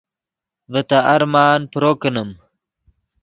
ڤے تے ارمان پرو کینیم